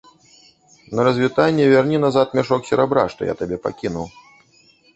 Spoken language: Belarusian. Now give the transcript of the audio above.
На развітанне вярні назад мяшок серабра, што я табе пакінуў.